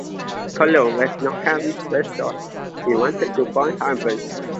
Cologne was not Harris's first choice; he wanted to bomb Hamburg.